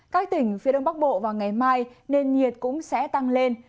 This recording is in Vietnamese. các tỉnh phía đông bắc bộ vào ngày mai nền nhiệt cũng sẽ tăng lên